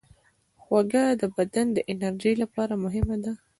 خوږه د بدن د انرژۍ لپاره مهمه ده.